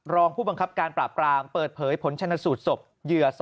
รองผู้บังคับการปราบปรามเปิดเผยผลชนสูตรศพเหยื่อ๒